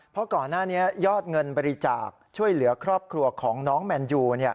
เพราะก่อนหน้านี้ยอดเงินบริจาคช่วยเหลือครอบครัวของน้องแมนยู